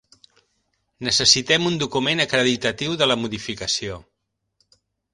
Necessitem un document acreditatiu de la modificació.